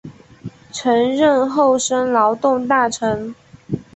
曾任厚生劳动大臣。